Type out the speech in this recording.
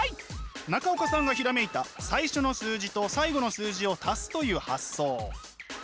中岡さんがひらめいた最初の数字と最後の数字を足すという発想。